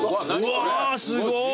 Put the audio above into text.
うわすごい。